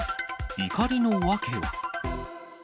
怒りの訳は。